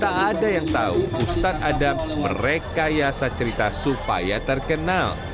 tak ada yang tahu ustadz adam merekayasa cerita supaya terkenal